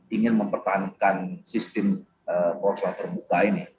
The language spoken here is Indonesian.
ingin mempertahankan sistem perolosan permuka ini